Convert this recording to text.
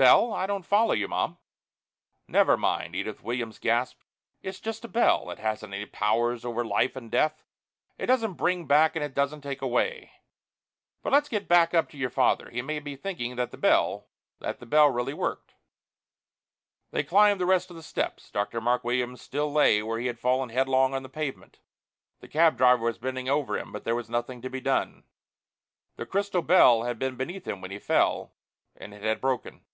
"Bell? I don't follow you, Mom." "Never mind," Edith Williams gasped. "It's just a bell. It hasn't any powers over life and death. It doesn't bring back and it doesn't take away. But let's get back up to your father. He may be thinking that the bell that the bell really worked." They climbed the rest of the steps. Dr. Mark Williams still lay where he had fallen headlong on the pavement. The cab driver was bending over him, but there was nothing to be done. The crystal bell had been beneath him when he fell, and it had broken.